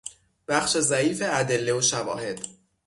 بخش ضعیف ادله و شواهد